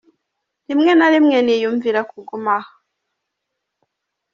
Rimwe na rimwe niyumvira kuguma aha.